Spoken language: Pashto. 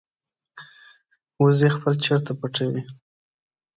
وزې خپل چرته پټوي